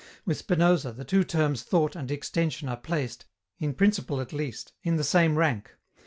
With Spinoza, the two terms Thought and Extension are placed, in principle at least, in the same rank.